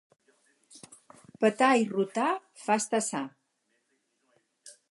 Petar i rotar fa estar sa.